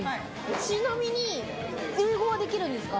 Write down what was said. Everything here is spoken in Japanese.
ちなみに英語はできるんですか？